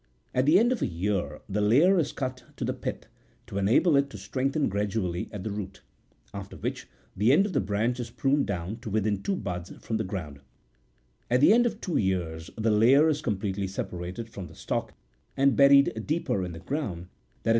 At the end of a year the layer is cut to the pith, to enable it to strengthen gradually at the root ; after which, the end of the branch is pruned down to within two buds from the ground. At the end of two years the layer is completely separated from the stock, and buried deeper in the ground, that it may 51 From Columella, B. v. c. 7. 58 This method is no longer employed. VOL.